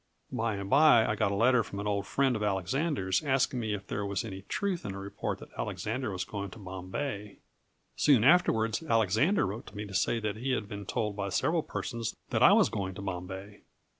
By and by I got a letter from an old friend of Alexander's, asking me if there was any truth in a report that Alexander was going to Bombay. Soon afterwards Alexander wrote to me to say that he had been told by several persons that I was going to Bombay.